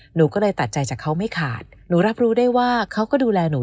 หนูก็เลยตัดใจจากเขาไม่ขาดหนูรับรู้ได้ว่าเขาก็ดูแลหนู